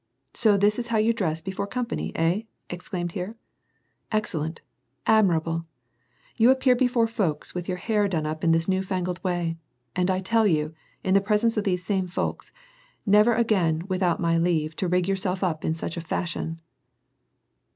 " So this is how you dress before company, hey ?" exclaimed he. "Excellent, admi rable ! You appear before folks with your hair done up in this new fangled way, and I tell you, in the presence of these same folks, never again, without my leave, to rig yourself up in such a fashion